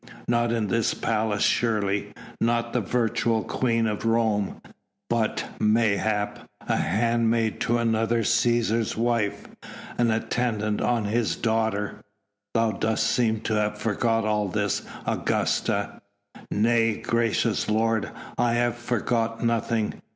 Not in this palace surely, not the virtual queen of Rome, but, mayhap, a handmaid to another Cæsar's wife, an attendant on his daughter.... Thou dost seem to have forgot all this, Augusta." "Nay, gracious lord, I have forgot nothing!